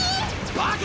バカ！